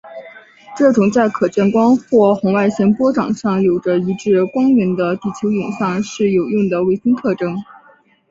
这种在可见光或红外线波长上有着一致光源的地球影像是有用的卫星特征。